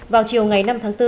vào chiều ngày năm tháng bốn